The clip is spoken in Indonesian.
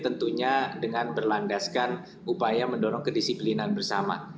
tentunya dengan berlandaskan upaya mendorong kedisiplinan bersama